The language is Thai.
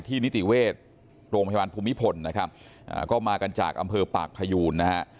ที่นิติเวศโรงพยาบาลภูมิผลก็มากันจากอำเภอปากพยูน